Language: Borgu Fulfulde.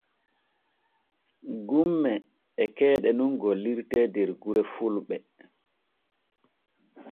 Gumme e keeɗe nun gollirte der gure fulɓe.